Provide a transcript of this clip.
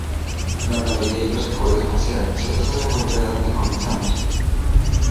La melodía y los acordes pasean, se trata de volver a donde comenzamos".